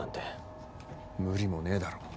無理もねえだろ。